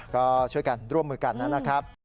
ก็ช่วยกันร่วมมือกันนะครับ